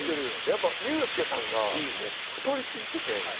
やっぱユースケさんが太りすぎてて今。